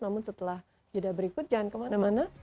namun setelah jeda berikut jangan kemana mana